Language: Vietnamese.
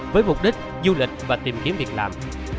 với mục đích du lịch và tìm kiếm việc làm